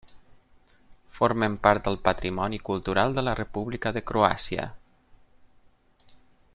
Formen part del patrimoni cultural de la República de Croàcia.